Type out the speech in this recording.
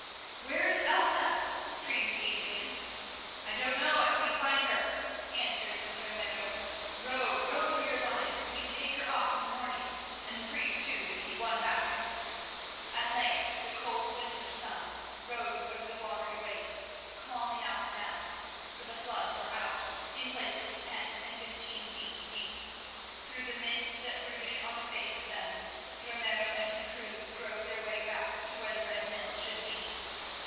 "Where is Elsa?" screamed Adrian. "I don't know. I couldn't find her," answered Ramiro. "Row, row for your lives! We can take her off in the morning, and the priest too, if he won back." At length the cold winter sun rose over the watery waste, calm enough now, for the floods were out, in places ten and fifteen feet deep. Through the mists that brooded on the face of them Ramiro and his crew groped their way back to where the Red Mill should be.